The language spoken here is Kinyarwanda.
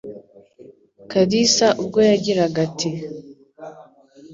Kalisa ubwo yagiraga ati